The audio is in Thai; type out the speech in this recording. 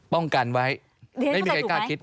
ป้องกันไว้ไม่มีใครกล้าคิด